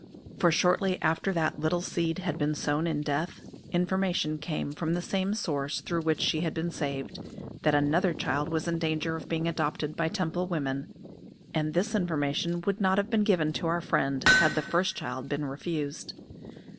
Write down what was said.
For shortly after that little seed had been sown in death, information came from the same source through which she had been saved, that another child was in danger of being adopted by Temple women; and this information would not have been given to our friend had the first child been refused.